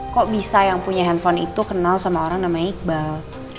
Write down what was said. kok bisa yang punya handphone itu kenal sama orang namanya iqbal